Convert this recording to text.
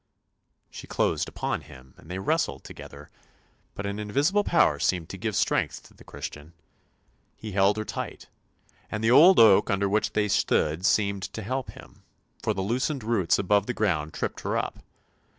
" She closed upon him and they wrestled together, but an invisible power seemed to give strength to the Christian; he held her tight, and the old oak under which they stood seemed to help him, for the loosened roots above the ground tripped her 292 ANDERSEN'S FAIRY TALES up.